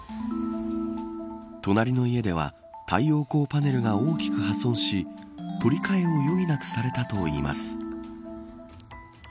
隣の家では太陽光パネルが大きく破損し取り換えを余儀なくされたといいます。